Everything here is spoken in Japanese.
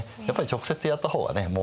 やっぱり直接やった方がね